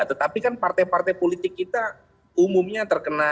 tetapi kan partai partai politik kita umumnya terkena